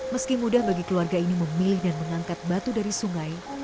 meski mudah bagi keluarga ini memilih dan mengangkat batu dari sungai